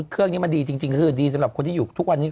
เครื่องนี้มันดีจริงคือดีสำหรับคนที่อยู่ทุกวันนี้